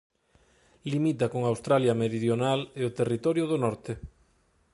Limita con Australia Meridional e o Territorio do Norte.